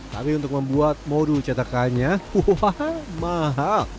tapi untuk membuat modul cetakannya wah mahal